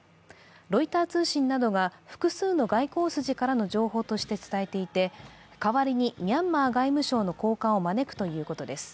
ロイター通信などが複数の外交筋からの情報として伝えていて、代わりにミャンマー外務省の高官を招くということです。